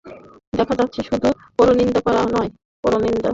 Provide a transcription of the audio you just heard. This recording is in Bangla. দেখা যাচ্ছে, শুধু পরনিন্দা করা নয়, পরনিন্দা নির্বিবাদে শুনলেও রোজা নষ্ট হয়।